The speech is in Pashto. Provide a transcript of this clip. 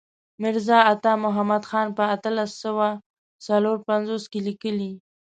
میرزا عطا محمد خان په اتلس سوه څلور پنځوس کې لیکلی.